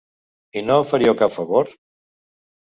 I no em faríeu cap favor?